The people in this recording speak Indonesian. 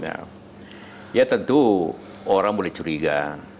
ya tentu orang boleh curiga